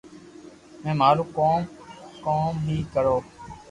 مي مارو ڪوم ڪوم ھي ڪروُ